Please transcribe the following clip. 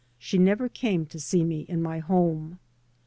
She never came to see me in my home.